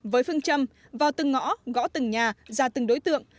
với phương châm vào từng ngõ gõ từng nhà ra từng đối tượng